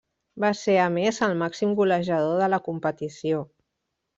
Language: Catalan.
Va ser, a més, el màxim golejador de la competició.